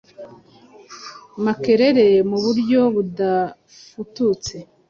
Makerere mu buryo budafututse.